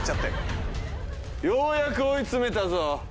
ようやく追い詰めたぞ。